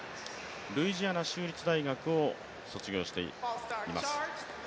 ルイジアナ州立大学を卒業しています。